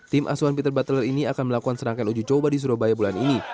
tim asuhan peter buttler ini akan melakukan serangkaian uji coba di surabaya bulan ini